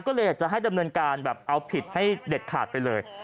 ก็เลยอยากจะให้ดำเนินการแบบเอาผิดให้เด็ดขาดไปเลย